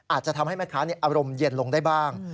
อาจจะทำให้แม่ค้าอารมณ์เย็นลงได้บ้าง